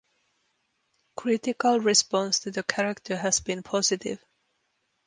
Critical response to the character has been positive.